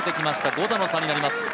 ５打の差になります。